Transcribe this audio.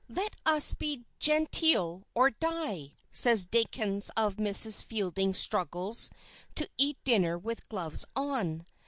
"Let us be genteel or die!" says Dickens of Mrs. Fielding's struggles to eat dinner with gloves on.